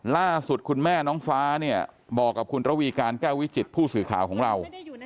ล่าสุดคุณแม่น้องฟ้าเนี่ยบอกกับคุณระวีการแก้ววิจิตผู้สื่อข่าวของเรา